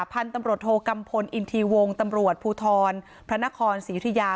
พันธุ์ตะโมธูกัมพลอินทีวงศ์ภูทรพระนครสีอยุทรยา